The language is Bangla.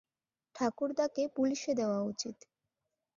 ঠাকুরদাকে পুলিশে দেওয়া উচিত।